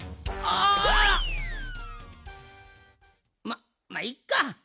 まっまあいっか。